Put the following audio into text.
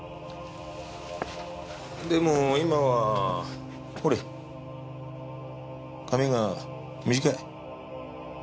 でも今はほれ髪が短い。